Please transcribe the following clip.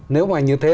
nếu mà như thế